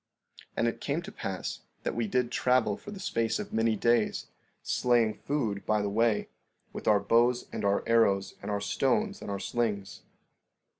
16:15 And it came to pass that we did travel for the space of many days, slaying food by the way, with our bows and our arrows and our stones and our slings.